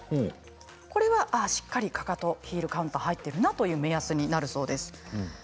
これはしっかり、かかとをヒールカウンター入っているなという目安になるんだそうです。